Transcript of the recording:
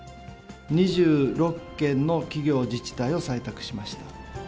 ２６件の企業、自治体を採択しました。